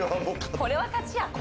これは勝ちや。